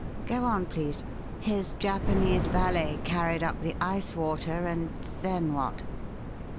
Go on, please. His Japanese valet carried up the ice water, and then what?"